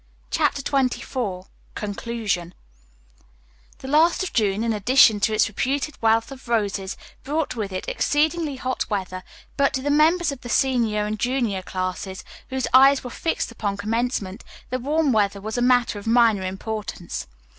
CHAPTER XXIV CONCLUSION The last of June, in addition to its reputed wealth of roses, brought with it exceedingly hot weather, but to the members of the senior and junior classes, whose eyes were fixed upon commencement, the warm weather was a matter of minor importance.